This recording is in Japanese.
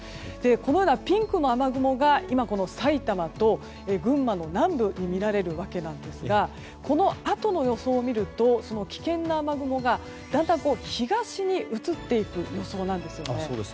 このようなピンクの雨雲がさいたまと群馬の南部に見られますがこのあとの予想を見ると危険な雨雲がだんだん東に移っていく予想なんです。